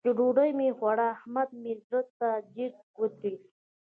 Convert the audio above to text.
چې ډوډۍ مې خوړه؛ احمد مې زړه ته جګ ودرېد.